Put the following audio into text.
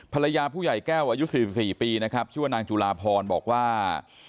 ภรรยาผู้ใหญ่แก้วอายุ๔๔ปีนะครับชื่อว่านางจุลาพรบอกว่า